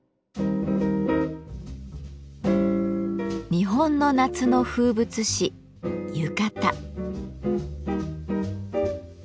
日本の夏の風物詩「浴衣」。